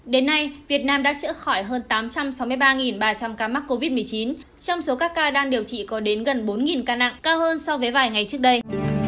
đến nay việt nam đã chữa khỏi hơn tám trăm sáu mươi ba ba trăm linh ca mắc covid một mươi chín trong số các ca đang điều trị có đến gần bốn ca nặng cao hơn so với vài ngày trước đây